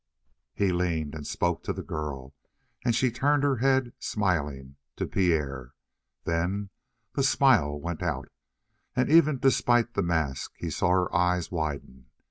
He leaned and spoke to the girl, and she turned her head, smiling, to Pierre. Then the smile went out, and even despite the mask, he saw her eyes widen.